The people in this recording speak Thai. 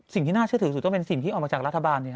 สิ่งที่น่าเชื่อถือสุดก็เป็นสิ่งที่ออกมาจากรัฐบาล